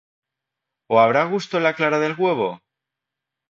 ¿O habrá gusto en la clara del huevo?